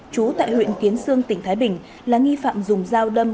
trú tại huyện kiến sương tỉnh thái bình là nghi phạm dùng dao đâm